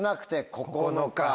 ９日。